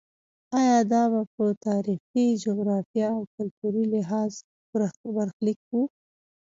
ایا دا په تاریخي، جغرافیایي او کلتوري لحاظ برخلیک و.